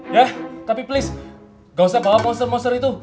ya tapi please nggak usah bawa monster monster itu